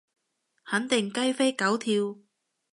肯定雞飛狗跳